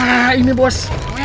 nah ini bos